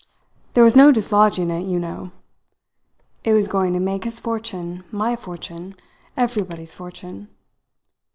There was no dislodging it, you know! It was going to make his fortune, my fortune, everybody's fortune.